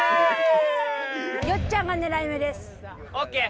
よっちゃんが狙い目です。ＯＫ！